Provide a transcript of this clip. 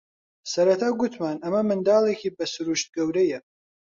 سەرەتا گوتمان ئەمە منداڵێکی بە سرووشت گەورەیە